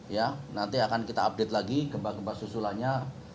ya nanti akan kita update lagi gempa gempa susulannya